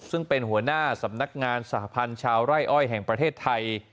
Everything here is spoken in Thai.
ซึ่งเป็นหัวหน้าสำนักงานสหพันธ์ชาวไร่อ้อยแห่งประเทศไทย